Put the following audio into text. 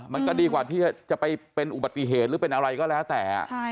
มันก็ดีกว่าที่จะไปเป็นอุบัติเหตุหรือเป็นอะไรก็แล้วแต่